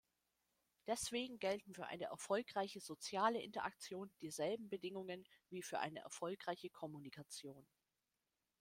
Deswegen gelten für eine erfolgreiche soziale Interaktion dieselben Bedingungen, wie für eine erfolgreiche Kommunikation.